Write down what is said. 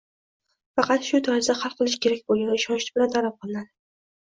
“faqat” shu tarzda hal qilish kerak degan ishonch bilan ta’qib qilinadi.